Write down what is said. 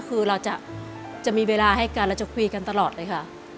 คือเราจะมีเวลาให้กันเราจะคุยกันตลอดเลยค่ะ